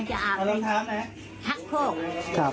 จะอาบเลยทักโคก